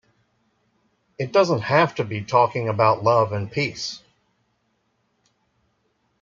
It doesn't have to be talking about love and peace.